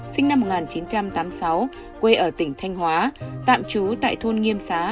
sinh năm một nghìn chín trăm tám mươi sáu quê ở tỉnh thanh hóa tạm trú tại thôn nghiêm xá